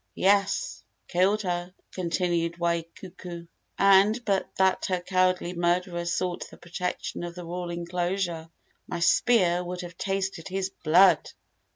"Yes, killed her," continued Waikuku; "and but that her cowardly murderer sought the protection of the royal enclosure, my spear would have tasted his blood!"